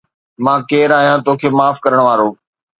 مان ڪير آهيان توکي معاف ڪرڻ وارو؟